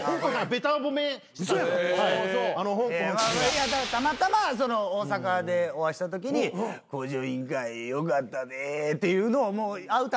いやたまたま大阪でお会いしたときに「『向上委員会』よかったで」っていうのを会う